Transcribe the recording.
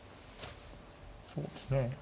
そうですね。